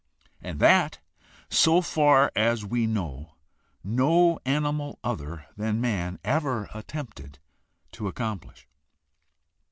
And that, so far as we know, no animal other than man ever attempted to accomplish.